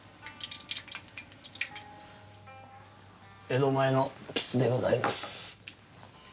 江戸前のきすでございます。